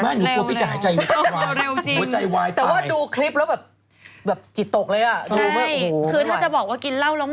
ไม่อยู่กลัวพี่จะหายใจเวลาความ